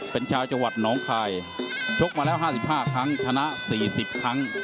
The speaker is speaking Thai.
เป็นชาวจังหวัดหนองคายชกมาแล้ว๕๕ครั้งชนะ๔๐ครั้ง